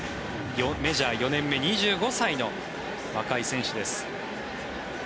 メジャー４年目２５歳の若い選手です。